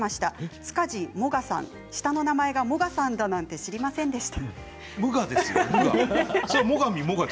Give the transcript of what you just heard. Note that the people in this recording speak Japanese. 塚地もがさん、下の名前がもがさんと知りませんでした。